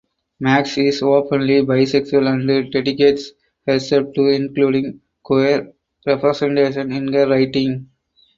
Maggs is openly bisexual and dedicates herself to including queer representation in her writing.